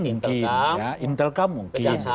mungkin intel kamu mungkin